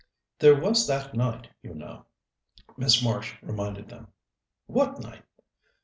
"There was that night, you know," Miss Marsh reminded them. "What night?"